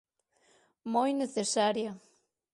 Moi necesaria.